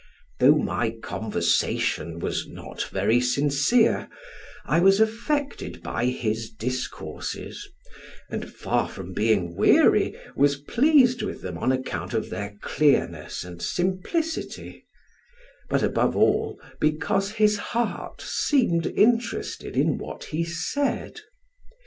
Though my conversation was not very sincere, I was affected by his discourses, and far from being weary, was pleased with them on account of their clearness and simplicity, but above all because his heart seemed interested in what he said.